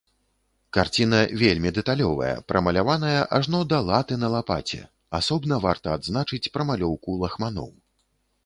Карціна вельмі дэталёвая, прамаляваная ажно да латы на лапаце, асобна варта адзначыць прамалёўку лахманоў.